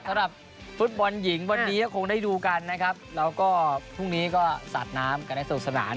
สำหรับฟุตบอลหญิงวันนี้ก็คงได้ดูกันนะครับแล้วก็พรุ่งนี้ก็สาดน้ำกันให้สนุกสนาน